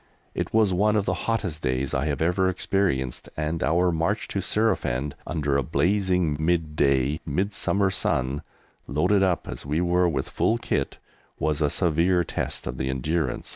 It was one of the hottest days I have ever experienced, and our march to Surafend, under a blazing midday midsummer sun, loaded up as we were with full kit, was a severe test of the endurance of the men.